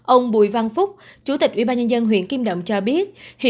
ông bùi văn phúc chủ tịch ubnd huyện kim động cho biết